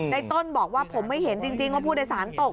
ต้นบอกว่าผมไม่เห็นจริงว่าผู้โดยสารตก